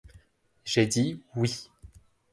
J’ai dit oui.